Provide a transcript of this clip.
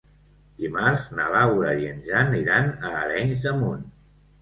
Dimarts na Laura i en Jan iran a Arenys de Munt.